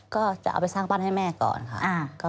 ก็จะเอาไปสร้างบ้านให้แม่ก่อนค่ะ